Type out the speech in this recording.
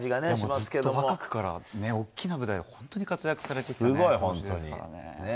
ずっと若くから大きな舞台で活躍された投手ですからね。